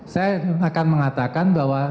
saya akan mengatakan bahwa